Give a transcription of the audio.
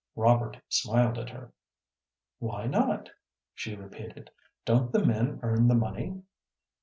Robert smiled at her. "Why not?" she repeated. "Don't the men earn the money?"